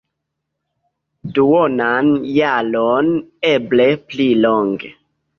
Duonan jaron, eble pli longe.